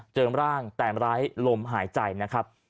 เจิมร่างแต่งร้ายลมหายใจนะครับ